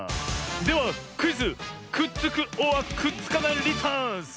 ではクイズ「くっつくｏｒくっつかないリターンズ」！